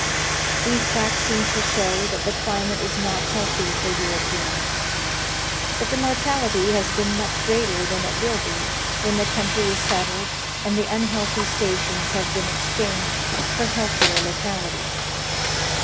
These facts seem to show that the climate is not healthy for Europeans. But the mortality has been much greater than it will be when the country is settled and the unhealthy stations have been ex changed for healthier localities.